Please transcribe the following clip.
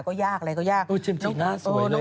จากกระแสของละครกรุเปสันนิวาสนะฮะ